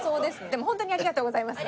でもホントにありがとうございます。